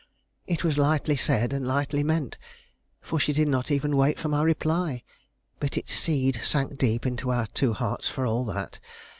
It was lightly said, and lightly meant, for she did not even wait for my reply. But its seed sank deep into our two hearts for all that.